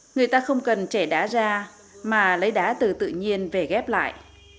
người ta không cần trẻ đá ra mà lấy đá từ tự nhiên về ghép lại